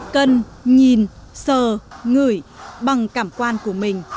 cân nhìn sờ ngửi bằng cảm quan của mình